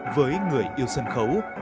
với người yêu sân khấu